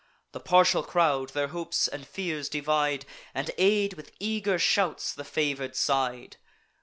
The partial crowd their hopes and fears divide, And aid with eager shouts the favour'd side.